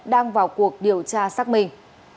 đang vào cuộc điều tra xác minh